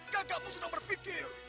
kakakmu sudah berpikir